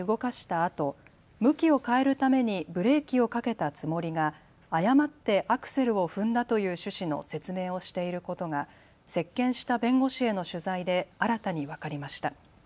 あと向きを変えるためにブレーキをかけたつもりが誤ってアクセルを踏んだという趣旨の説明をしていることが接見した弁護士への取材で新たに分かりました。